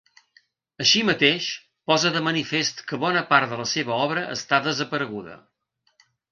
Així mateix, posa de manifest que bona part de la seva obra està desapareguda.